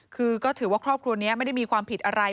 คือก็ถือว่าครอบครัวนี้ไม่ได้มีความผิดอะไร